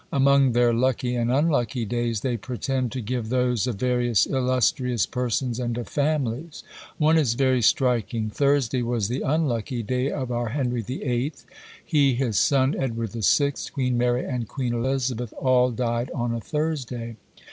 Among their lucky and unlucky days, they pretend to give those of various illustrious persons and of families. One is very striking. Thursday was the unlucky day of our Henry VIII. He, his son Edward VI., Queen Mary, and Queen Elizabeth, all died on a Thursday!